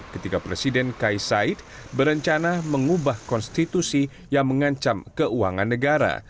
ketika presiden kai said berencana mengubah konstitusi yang mengancam keuangan negara